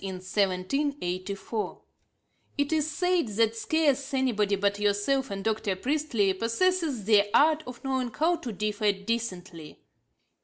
157) wrote to Dr. Price in 1784: 'It is said that scarce anybody but yourself and Dr. Priestley possesses the art of knowing how to differ decently.'